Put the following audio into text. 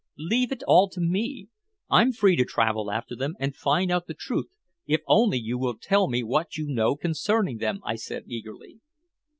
"Leave it all to me. I'm free to travel after them, and find out the truth if only you will tell me what you know concerning them," I said eagerly.